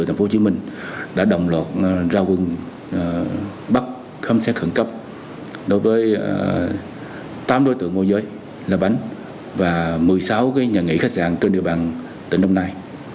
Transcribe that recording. tổng thống phố hồ chí minh đã đồng luật ra quân bắt khám xét khẩn cấp đối với tám đối tượng mua giới là bánh và một mươi sáu nhà nghỉ khách sạn trên địa bàn tỉnh đông nai